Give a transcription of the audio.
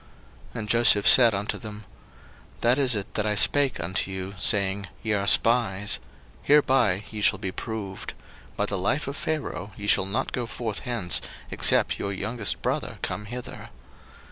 01:042:014 And Joseph said unto them, That is it that I spake unto you, saying, Ye are spies: 01:042:015 Hereby ye shall be proved: By the life of Pharaoh ye shall not go forth hence, except your youngest brother come hither.